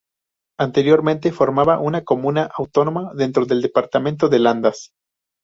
Anteriormente formaba una comuna autónoma dentro del departamento de Landas.